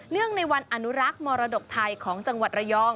ในวันอนุรักษ์มรดกไทยของจังหวัดระยอง